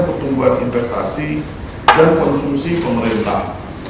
pertumbuhan investasi dan konsumsi pemerintah